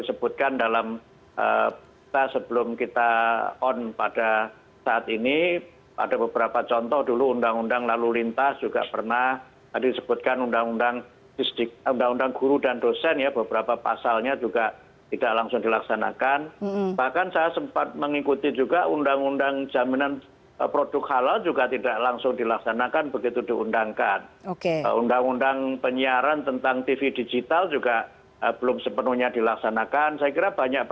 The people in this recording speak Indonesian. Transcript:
selain itu presiden judicial review ke mahkamah konstitusi juga masih menjadi pilihan pp muhammadiyah